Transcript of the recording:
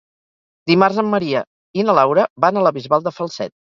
Dimarts en Maria i na Laura van a la Bisbal de Falset.